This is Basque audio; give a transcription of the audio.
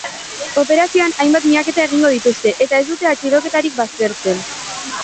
Operazioan hainbat miaketa egingo dituzte eta ez dute atxiloketarik baztertzen.